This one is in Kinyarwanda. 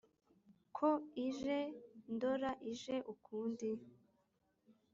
Ko ije ndora ije ukundi !